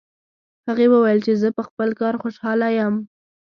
هغې وویل چې زه په خپل کار خوشحاله یم